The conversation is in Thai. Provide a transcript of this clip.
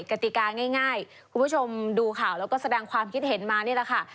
กติกาง่ายคุณผู้ชมดูข่าวแล้วก็แสดงความคิดเห็นมานี่แหละค่ะ